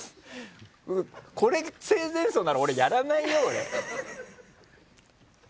これで生前葬ならやらないよ、俺。